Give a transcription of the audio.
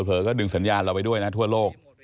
เก็ดึงสัญญาณเราไปด้วยนะทั่วโลก